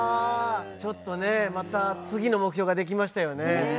ちょっとねまた次の目標ができましたよね。